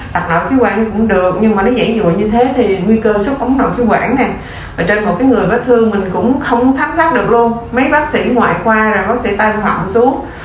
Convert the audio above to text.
đặt nội khí quản nó cũng được nhưng mà nó giải dụa như thế thì nguy cơ xuất ống nội khí quản nè ở trên một cái người vết thương mình cũng không thám sát được luôn mấy bác sĩ ngoại khoa rồi bác sĩ tài khoản xuống